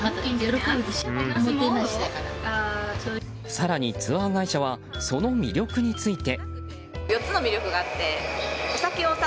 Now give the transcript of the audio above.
更にツアー会社はその魅力について。